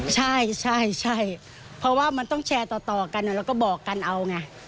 ใช่ใช่เพราะว่ามันต้องแชร์ต่อกันแล้วก็บอกกันเอาไง